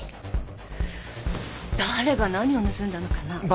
誰が何を盗んだのかな？